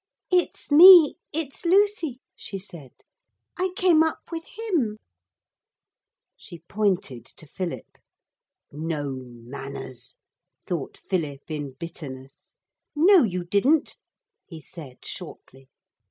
'It's me it's Lucy,' she said. 'I came up with him.' She pointed to Philip. 'No manners,' thought Philip in bitterness. 'No, you didn't,' he said shortly.